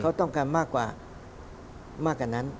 เขาต้องการมากกว่ามากกว่านั้น